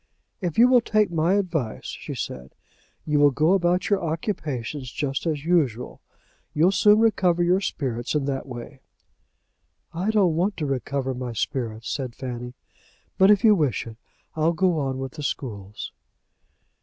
"If you will take my advice," she said, "you will go about your occupations just as usual. You'll soon recover your spirits in that way." "I don't want to recover my spirits," said Fanny; "but if you wish it I'll go on with the schools."